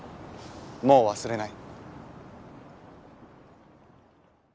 もう忘れない。